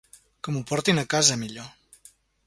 Que m'ho portin a casa millor.